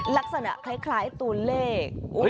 ลักษณะคล้ายตัวเลข